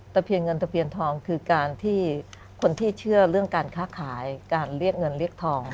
เพียงเงินตะเพียนทองคือการที่คนที่เชื่อเรื่องการค้าขายการเรียกเงินเรียกทอง